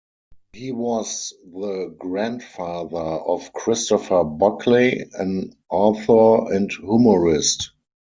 He was the grandfather of Christopher Buckley, an author and humorist.